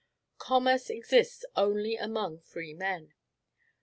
Commerce exists only among free men.